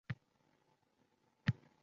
U ‒ tanazzulga uchrayotgan edi.